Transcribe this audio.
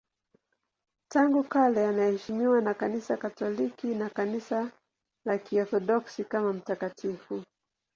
Tangu kale anaheshimiwa na Kanisa Katoliki na Kanisa la Kiorthodoksi kama mtakatifu.